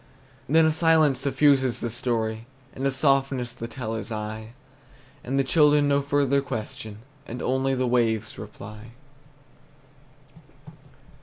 Then a silence suffuses the story, And a softness the teller's eye; And the children no further question, And only the waves reply.